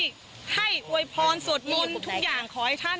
มีเฉินที่ได้ให้โวยพรส่วนหมดทุกอย่างขอไอ้ท่าน